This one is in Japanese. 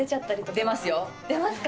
出ますか？